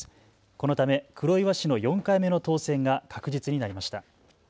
このため黒岩氏の４回目の当選が確実になりました。